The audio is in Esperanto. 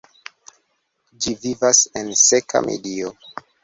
Ĝi vivas en seka medio.